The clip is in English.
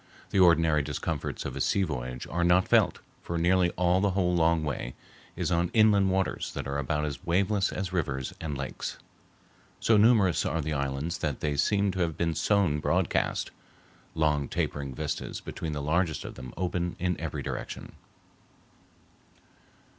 The ordinary discomforts of a sea voyage are not felt, for nearly all the whole long way is on inland waters that are about as waveless as rivers and lakes. So numerous are the islands that they seem to have been sown broadcast; long tapering vistas between the largest of them open in every direction.